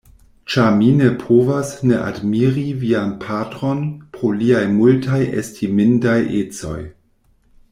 ĉar mi ne povas ne admiri vian patron pro liaj multaj estimindaj ecoj.